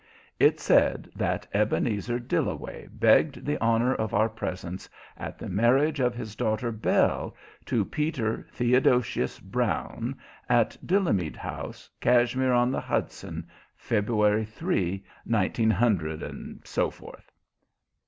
It said that Ebenezer Dillaway begged the honor of our presence at the marriage of his daughter, Belle, to Peter Theodosius Brown, at Dillamead House, Cashmere on the Hudson, February three, nineteen hundred and so forth.